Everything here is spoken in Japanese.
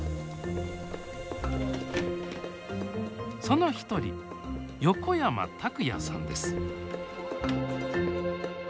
その一人横山拓也さんです。